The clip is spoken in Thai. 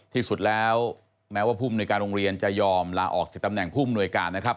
ที่สุดแล้วแม้ว่าผู้มนุยการโรงเรียนจะยอมลาออกจากตำแหน่งผู้มนวยการนะครับ